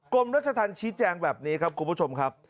กรมรัชธรรมชี้แจงแบบนี้ครับคุณผู้ชมครับ